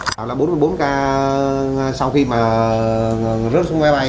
bốn mươi bốn ca sau khi mà rớt xuống máy bay